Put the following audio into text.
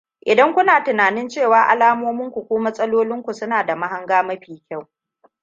idan kuna tunanin cewa alamominku ko matsalolinku suna da mahanga mafi kyau